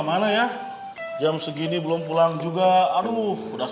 hai bergabung signs